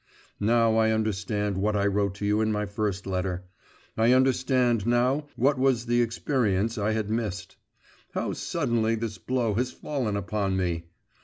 Now I understand what I wrote to you in my first letter; I understand now what was the experience I had missed. How suddenly this blow has fallen upon me!